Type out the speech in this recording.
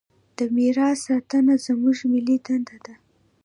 د میراث ساتنه زموږ ملي دنده ده.